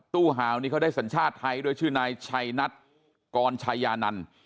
หาวนี่เขาได้สัญชาติไทยด้วยชื่อนายชัยนัทกรชายานันต์